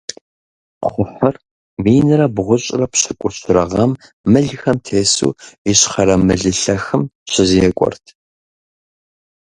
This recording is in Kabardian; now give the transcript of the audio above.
Кхъухьыр минрэ бгъущӏрэ пщыкӏущрэ гъэм мылхэм тесу Ищхъэрэ Мылылъэхым щызекӀуэрт.